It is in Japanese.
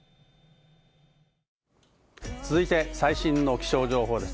続いて最新の気象情報です。